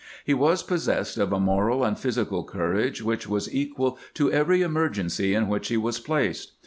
He was possessed of a moral and physical courage which was equal to every emergency in which he was placed.